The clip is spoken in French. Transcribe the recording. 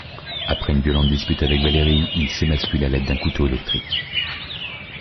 Après une violente dispute avec Valérie, il s’émascule à l’aide d’un couteau électrique.